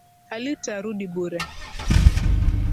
Halitarudi bure.